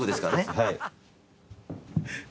はい。